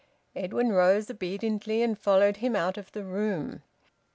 Edwin rose obediently and followed him out of the room.